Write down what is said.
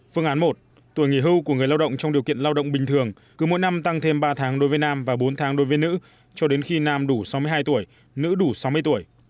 phương án một tuổi nghỉ hưu của người lao động trong điều kiện lao động bình thường cứ mỗi năm tăng thêm ba tháng đối với nam và bốn tháng đối với nữ cho đến khi nam đủ sáu mươi hai tuổi nữ đủ sáu mươi tuổi